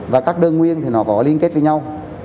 và các đơn nguyên thì nó có liên kết với nhau